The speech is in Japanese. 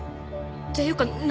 っていうかな